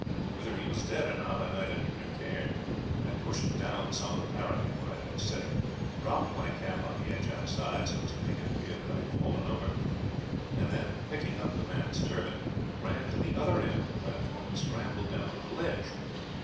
Whether he was dead or not I neither knew nor cared. "I pushed down some of the parapet where I had been sitting, dropped my cap on the edge outside, so as to make it appear that I had fallen over, and then, picking up the man's turban, ran to the other end of the platform and scrambled down to the ledge.